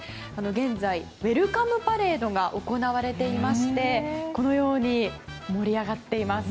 現在、ウェルカムパレードが行われていましてこのように盛り上がっています。